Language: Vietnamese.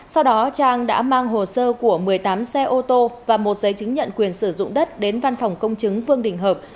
sau đó trang đã mang hồ sơ của một mươi tám xe ô tô và một giấy chứng nhận quyền sử dụng đất đến văn phòng công chứng vương đình hợp